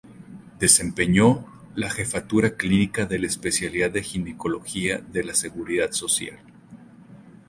Desempeñó de la Jefatura Clínica de la Especialidad de Ginecología de la Seguridad Social.